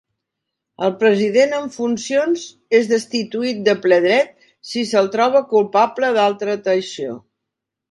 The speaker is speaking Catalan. El president en funcions és destituït de ple dret si se'l troba culpable d'alta traïció.